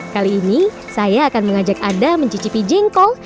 kali ini saya akan mengajak anda mencicipi jengkol